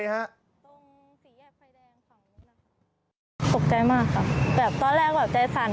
ตกใจมากครับแบบตอนแรกแบบใจสั่น